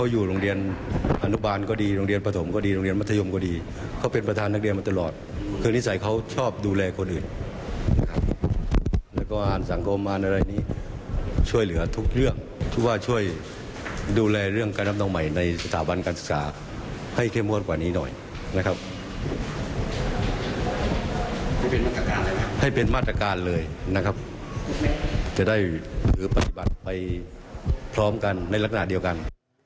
ให้เป็นมาตรการเลยนะครับจะได้หรือปฏิบัติไปพร้อมกันในลักหน้าเดียวกัน